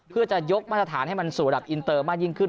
เพื่อจะยกมาตรฐานให้มันสู่ระดับอินเตอร์มากยิ่งขึ้น